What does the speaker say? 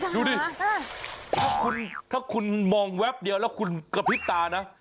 ดูดิถ้าคุณมองแวบเดียวแล้วคุณกระพริบตานะ